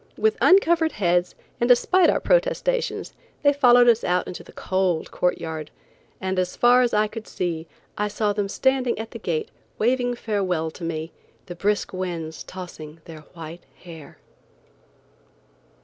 With uncovered heads, and despite our protestations, they followed us out into the cold court yard, and as far as I could see I saw them standing at the gate waving farewell to me, the brisk winds tossing their white hair.